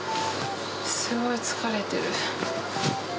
すごい疲れてる。